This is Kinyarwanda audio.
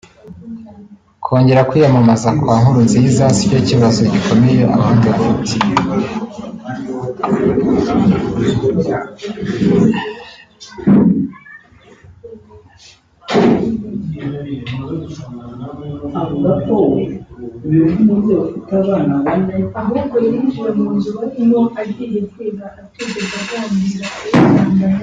Kongera kwiyamamaza kwa Nkurunziza sicyo kibazo gikomeye Abarundi bafite